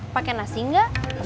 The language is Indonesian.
pakai nasi enggak